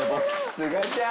すがちゃん。